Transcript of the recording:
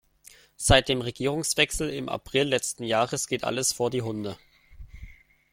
Seit dem Regierungswechsel im April letzten Jahres geht alles vor die Hunde.